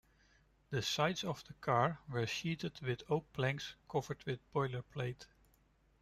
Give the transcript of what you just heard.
The sides of the car were sheathed with oak planks covered with boiler plate.